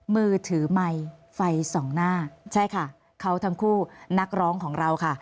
มือถือไมค์ไฟส่องหน้าใช่ค่ะเขาทั้งคู่นักร้องของเราค่ะ